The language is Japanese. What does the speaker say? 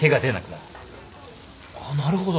なるほど。